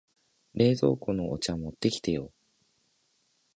冷蔵庫のお茶持ってきてよ。